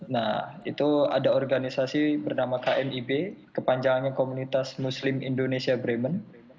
nah itu ada organisasi bernama knib kepanjangannya komunitas muslim indonesia bremen